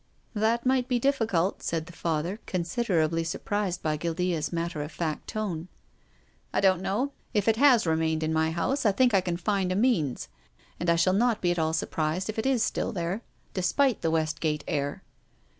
" That might be difficult," said the Father, considerably surprised by Guildea's matter of fact tone. " I don't know. If it has remained in my house I think I can find a means. And I shall not be at all surprised if it is still there — despite the Westgate air."